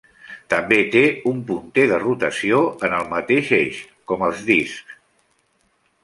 També té un punter de rotació en el mateix eix, com els discs.